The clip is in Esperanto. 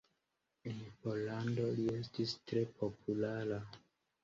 En Pollando li estis tre populara.